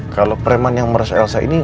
kalau preman yang merasa elsa ini